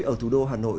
ở thủ đô hà nội